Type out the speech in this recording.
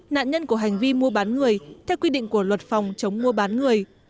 nạn nhân của hành vi mua bán người theo quy định của luật phòng chống mua bán người